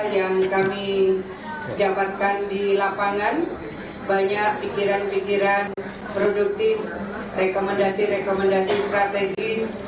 yang kami dapatkan di lapangan banyak pikiran pikiran produktif rekomendasi rekomendasi strategis